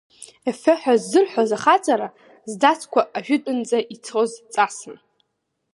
Ефе ҳәа ззырҳәоз ахаҵара, здацқәа ажәытәынӡа ицоз ҵасын.